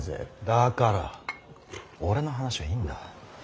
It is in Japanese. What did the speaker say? だから俺の話はいいんだ。